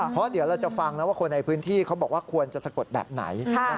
เพราะเดี๋ยวเราจะฟังนะว่าคนในพื้นที่เขาบอกว่าควรจะสะกดแบบไหน